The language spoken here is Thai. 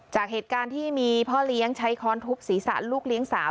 จากเหตุการณ์ที่มีพ่อเลี้ยงใช้ค้อนทุบศีรษะลูกเลี้ยงสาว